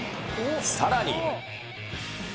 さらに。